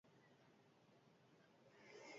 Galdera hau oso zaila egiten zait.